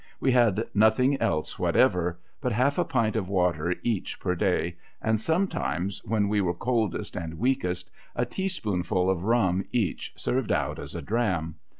We had nothing else whatever, but half a pint of water each per day, and sometimes, w^hen we were coldest and weakest, a teaspoonful of rum each, served out as a dram.